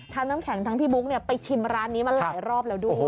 น้ำแข็งทั้งพี่บุ๊คไปชิมร้านนี้มาหลายรอบแล้วด้วย